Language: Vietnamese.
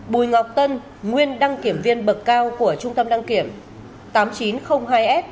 bùi ngọc tân nguyên đăng kiểm viên bậc cao của trung tâm đăng kiểm tám nghìn chín trăm linh hai s